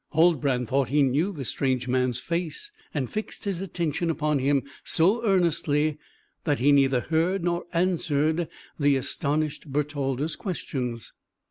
Huldbrand thought he knew this strange man's face, and fixed his attention upon him so earnestly, that he neither heard nor answered the astonished Bertalda's questions.